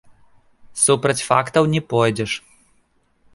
Супраць фактаў не пойдзеш.